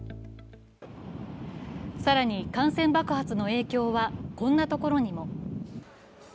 更に感染爆発の影響はこんなところにも。